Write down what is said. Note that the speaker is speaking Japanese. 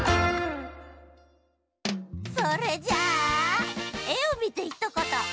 それじゃあ「えをみてひとこと」